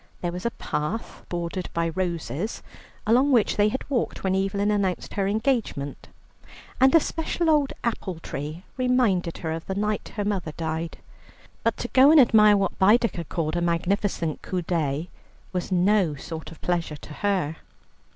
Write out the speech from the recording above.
There was a path bordered by roses, along which they had walked when Evelyn announced her engagement, and a special old apple tree reminded her of the night her mother died. But to go and admire what Baedeker called a magnificent coup d'oeil was no sort of pleasure to her.